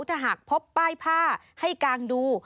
ถ้าหากพบป้ายผ้าให้กางดู